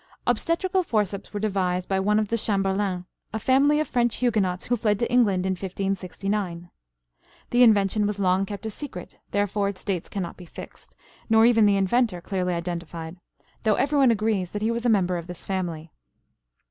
Obstetrical forceps were devised by one of the Chamberlens, a family of French Huguenots who fled to England in 1569. The invention was long kept a secret; therefore its date cannot be fixed, nor even the inventor clearly identified, though everyone agrees that he was a member of this family.